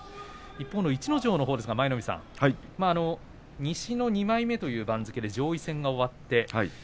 一方の逸ノ城ですが西の２枚目という番付で上位戦が終わって